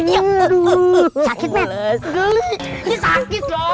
tiga dua satu